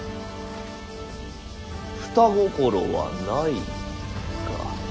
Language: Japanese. ふた心はないか。